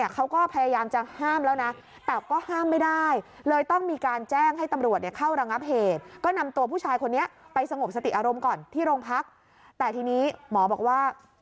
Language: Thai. เขาก็พยายามจะห้ามแล้วนะ